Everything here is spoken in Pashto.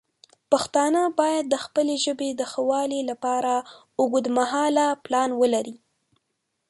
پښتانه باید د خپلې ژبې د ښه والی لپاره اوږدمهاله پلان ولري.